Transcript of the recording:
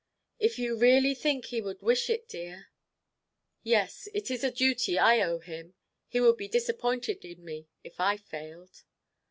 "If you really think he would wish it, dear " "Yes. It is a duty I owe him. He would be disappointed in me, if I failed."